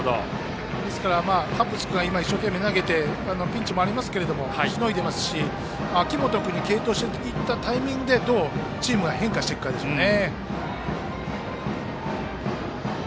ですから、ハッブス君が一生懸命投げてピンチもありますけどもしのいでいますし秋本君に継投したタイミングでどうチームが変化していくかですね。